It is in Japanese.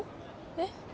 えっ？